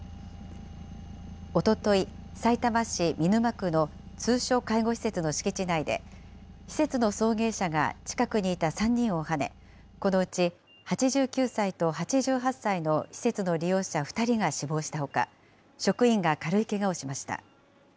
おととい、さいたま市見沼区の通所介護施設の敷地内で、施設の送迎車が近くにいた３人をはね、このうち８９歳と８８歳の施設の利用者２人が死亡したほか、職員が軽いけがをしました。